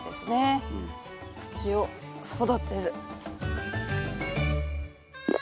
土を育てる。